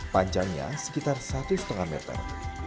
panjangnya sekitar satu lima meter